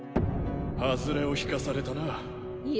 ハズレを引かされたないえ